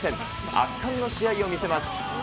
圧巻の試合を見せます。